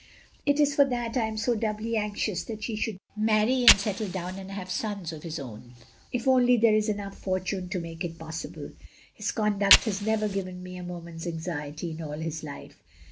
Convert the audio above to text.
It is for that I am so doubly anxious that he should marry and settle down and have sons of his own; if only there is enough forttine to make it possible. His conduct has never given me a moment's anxiety in all his life."